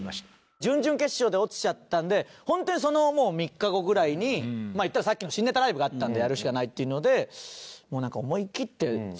準々決勝で落ちちゃったんで本当にその３日後ぐらいにいったらさっきの新ネタライブがあったんでやるしかないっていうのでもうなんか思い切って。